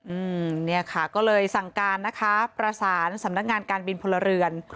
อืมเนี่ยค่ะก็เลยสั่งการนะคะประสานสำนักงานการบินพลเรือน